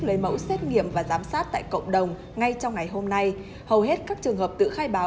lấy mẫu xét nghiệm và giám sát tại cộng đồng ngay trong ngày hôm nay hầu hết các trường hợp tự khai báo